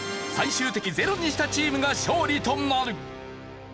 最終的にゼロにしたチームが勝利となる。